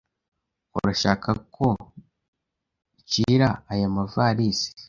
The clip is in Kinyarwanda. Urashaka ko nshira aya mavalisi?